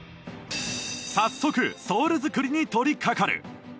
早速ソール作りに取りかかる。